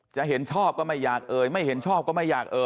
จะเห็นชอบก็ไม่อยากเอ่ยไม่เห็นชอบก็ไม่อยากเอ่